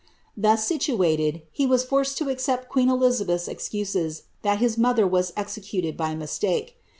Thus situated, he was forced to accept queen Elizabeth's excuses that his mother was executed by mistake.